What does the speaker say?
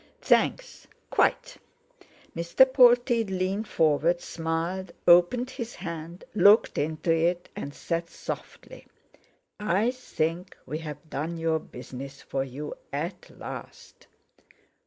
"Thanks! quite." Mr. Polteed leaned forward, smiled, opened his hand, looked into it, and said softly: "I think we've done your business for you at last."